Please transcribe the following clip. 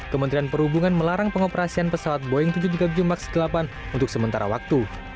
kementerian perhubungan melarang pengoperasian pesawat boeing tujuh ratus tiga puluh tujuh max delapan untuk sementara waktu